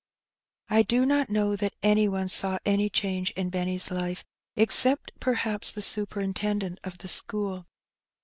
I do not know that any one saw any change in Benny's life, except perhaps the superintendent of the school.